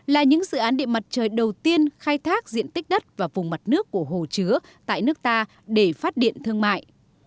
là những dự án điện mặt trời đầu tiên khai thác diện tích đất và vùng mặt nước của hồ chứa tại nước ta để phát điện thương mại